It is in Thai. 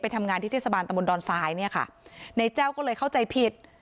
ทำงานที่เทศบาลตะบนดอนทรายเนี่ยค่ะในแจ้วก็เลยเข้าใจผิด